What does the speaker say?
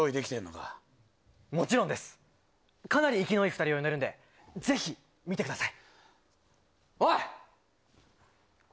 かなり生きのいい２人を呼んでるんで、ぜひ見てください。